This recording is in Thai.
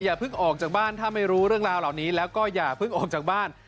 เพิ่งออกจากบ้านถ้าไม่รู้เรื่องราวเหล่านี้แล้วก็อย่าเพิ่งออกจากบ้าน